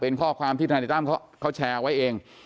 เป็นข้อความที่ธนายตั้มเขาแชร์ไว้เอง